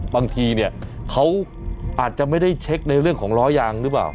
บางทีเนี่ยเขาอาจจะไม่ได้เช็คในเรื่องของล้อยางหรือเปล่า